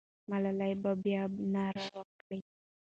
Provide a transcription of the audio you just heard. ملالۍ به بیا ناره وکړي.